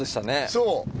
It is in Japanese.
そう。